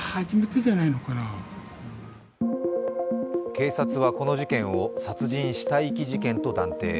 警察はこの事件を殺人・死体遺棄事件と断定。